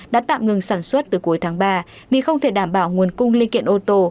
đã tạm ngừng sản xuất từ cuối tháng ba vì không thể đảm bảo nguồn cung linh kiện ô tô